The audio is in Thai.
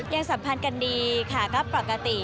สัมพันธ์กันดีค่ะก็ปกติ